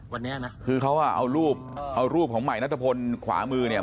วันนี้นะคือเขาอ่ะเอารูปเอารูปของใหม่นัทพลขวามือเนี่ย